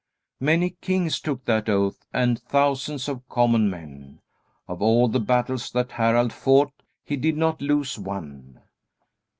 Many kings took that oath and thousands of common men. Of all the battles that Harald fought, he did not lose one.